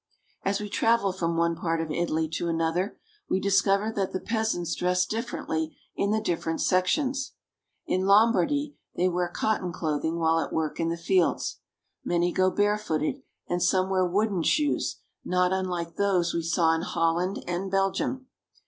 As we travel from one part of Italy to another, we discover that the peasants dress differently in the different sections. In Lombardy they wear cotton clothing while at work in the fields. Many go barefooted, and some Italian Peasants. NORTHERN ITALY. 405 wear wooden shoes, not unlike those we saw in Holland and Belgium.